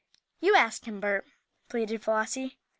"You ask him, Bert," pleaded Flossie.